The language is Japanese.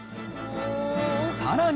さらに。